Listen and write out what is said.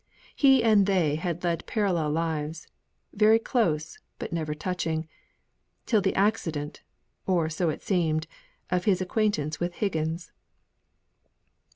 He and they had led parallel lives very close, but never touching till the accident (or so it seemed) of his acquaintance with Higgins.